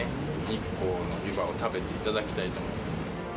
日光のゆばを食べていただきたいと思います。